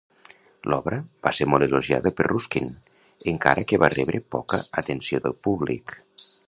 L'obra va ser molt elogiada per Ruskin, encara que va rebre poca atenció del públic.